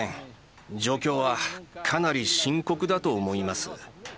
状況はかなり深刻だと思います。